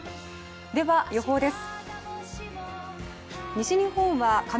では予報です。